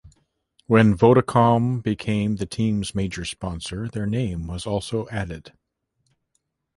When Vodacom became the team's major sponsor their name was also added.